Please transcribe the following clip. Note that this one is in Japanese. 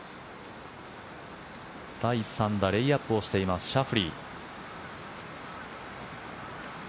第３打、レイアップをしていますシャフリー。